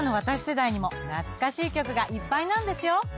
世代にも懐かしい曲がいっぱいなんですよ。